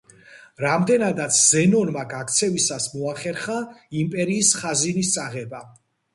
რამდენადაც ზენონმა, გაქცევისას, მოახერხა იმპერიის ხაზინის წაღება.